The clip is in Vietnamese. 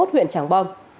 huyện tràng bom